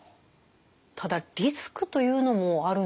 ただリスクというのもあるんでしょうか？